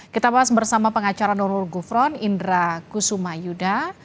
kita bahas bersama pengacara nurul gufron indra kusuma yuda